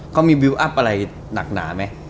ข้อมีบิวอัพอะไรหนักหนาไม่